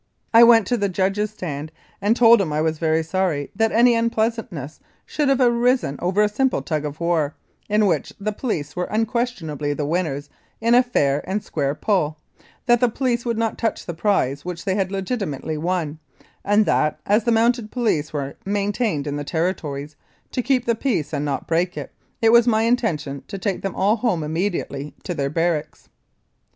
I went to the judges' stand, told them I was very sorry that any unpleasantness should have arisen over a simple tug of war, in which the police were un questionably the winners in a fair and square pull, that the police would not touch the prize which they had legitimately won, and that, as the Mounted Police were maintained in the Territories to keep the peace and not break it, it was my intention to take them all home immediately to their barracks.